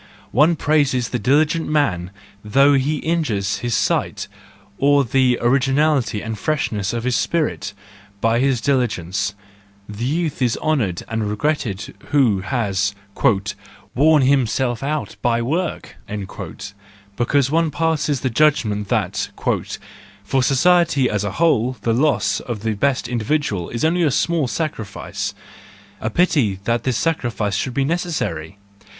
One praises the diligent man though he injures his sight, or the originality and freshness of his spirit, by his diligence; the youth is honoured and regretted who has "worn himself out by work," because one passes the judgment^ that "for society as a whole the loss of the best individual is only a small sacrifice! A pity that this sacrifice should be necessary